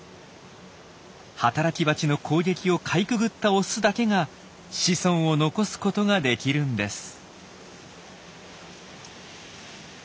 働きバチの攻撃をかいくぐったオスだけが子孫を残すことができるんです。